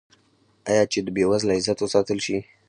آیا چې د بې وزله عزت وساتل شي؟